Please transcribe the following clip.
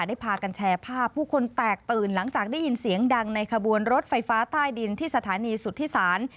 ได้พากันแชร์ภาพผู้คนแตกตื่นหลังจากได้ยินเสียงดังในขบวนรถไฟฟ้าใต้ดินที่สถานีสุทธิศาล